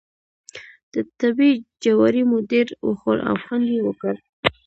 د تبۍ جواری مو ډېر وخوړ او خوند یې وکړ.